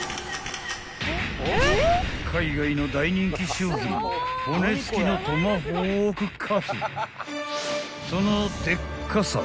［海外の大人気商品骨付きのトマホークかつ］